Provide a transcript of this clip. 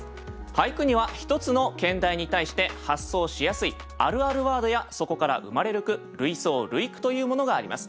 俳句には一つの兼題に対して発想しやすいあるあるワードやそこから生まれる句類想類句というものがあります。